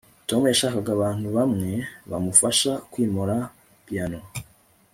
tom yashakaga abantu bamwe bamufasha kwimura piyano